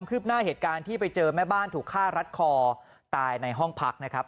คืบหน้าเหตุการณ์ที่ไปเจอแม่บ้านถูกฆ่ารัดคอตายในห้องพักนะครับ